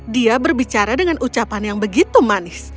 dia berbicara dengan ucapan yang begitu manis